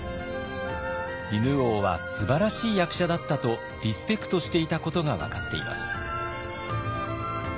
犬王はすばらしい役者だったとリスペクトしていたことが分かっています。